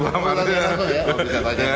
gue gak tau pengen tau aja